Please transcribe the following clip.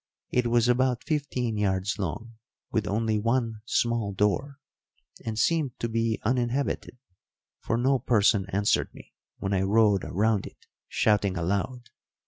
It was about fifteen yards long, with only one small door, and seemed to be uninhabited, for no person answered me when I rode round it shouting aloud.